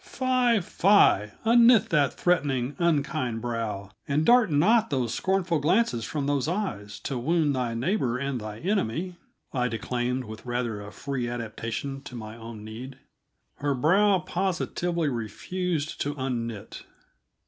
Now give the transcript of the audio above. "Fie, fie! unknit that threatening, unkind brow, And dart not scornful glances from those eyes, To wound thy neighbor and thine enemy," I declaimed, with rather a free adaptation to my own need. Her brow positively refused to unknit.